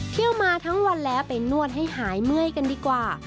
เที่ยวมาทั้งวันแล้วไปนวดให้หายเมื่อยกันดีกว่า